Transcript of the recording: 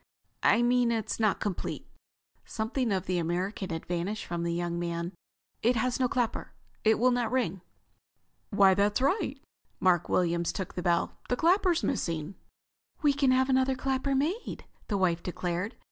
"I mean it is not complete." Something of the American had vanished from the young man. "It has no clapper. It will not ring." "Why, that's right." Mark Williams took the bell. "The clapper's missing." "We can have another clapper made," his wife declared.